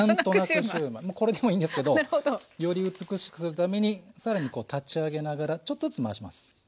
もうこれでもいいんですけどより美しくするために更にこう立ち上げながらちょっとずつ回します。